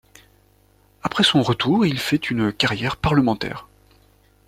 Après son retour, il fait une carrière parlementaire.